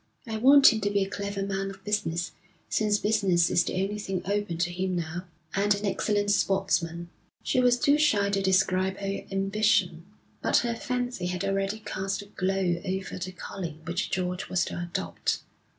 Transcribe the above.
'I want him to be a clever man of business since business is the only thing open to him now and an excellent sportsman.' She was too shy to describe her ambition, but her fancy had already cast a glow over the calling which George was to adopt.